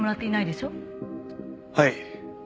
はい。